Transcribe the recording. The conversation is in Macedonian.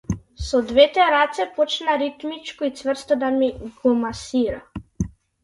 Со двете раце почна ритмично и цврсто да ми го масира.